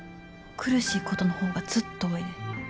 苦しいことの方がずっと多いで。